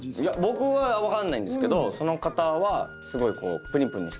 僕は分かんないんですけどその方はすごいプニプニしてるって。